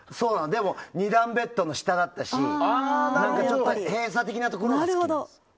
でも、２段ベッドも下だったし閉鎖的なところに。